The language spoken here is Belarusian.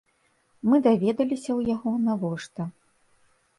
Мы даведаліся ў яго, навошта.